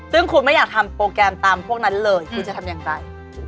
ซึ่งคุณไม่อยากทำโปรแกรมตามพวกนั้นเลยคุณจะทำอย่างไร